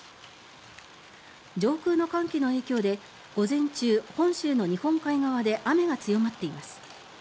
上空の寒気の影響で午前中本州の日本海側で雨が強まっています。